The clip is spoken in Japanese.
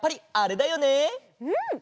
うん！